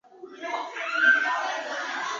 辽中京遗址位于内蒙古自治区赤峰市宁城县。